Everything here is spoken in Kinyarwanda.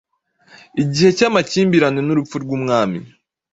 Igihe cyamakimbirane nurupfu rwumwami